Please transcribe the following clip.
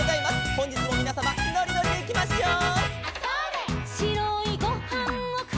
「ほんじつもみなさまのりのりでいきましょう」